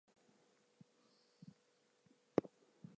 i can't concentrate on my studies